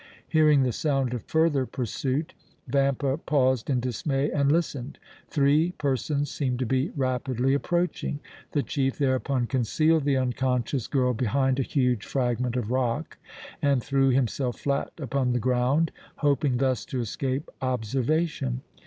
Hearing the sound of further pursuit, Vampa paused in dismay and listened. Three persons seemed to be rapidly approaching. The chief thereupon concealed the unconscious girl behind a huge fragment of rock and threw himself flat upon the ground, hoping thus to escape observation.